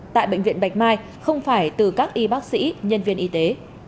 tại bệnh viện bạch mai không phải từ các y bác sĩ nhân viên y tế